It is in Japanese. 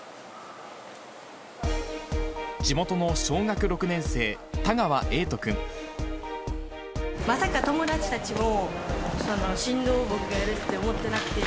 地元の小学６年生、まさか友達たちも、神童を僕がやるって思ってなくて。